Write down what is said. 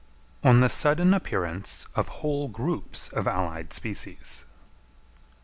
_On the sudden Appearance of whole Groups of allied Species.